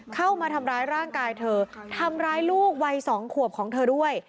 เข้ามาทำร้ายร่างกายเธอทำร้ายลูกวัย๒ขวบของเธอด้วย